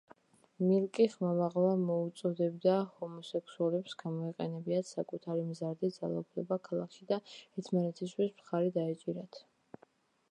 მილკი ხმამაღლა მოუწოდებდა ჰომოსექსუალებს გამოეყენებინათ საკუთარი მზარდი ძალაუფლება ქალაქში და ერთმანეთისთვის მხარი დაეჭირათ.